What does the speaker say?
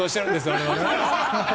我々は！